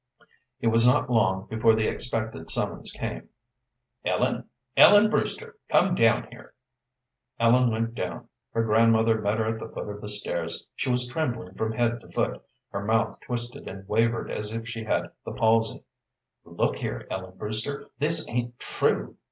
It was not long before the expected summons came. "Ellen Ellen Brewster, come down here!" Ellen went down. Her grandmother met her at the foot of the stairs. She was trembling from head to foot; her mouth twisted and wavered as if she had the palsy. "Look here, Ellen Brewster, this ain't true?"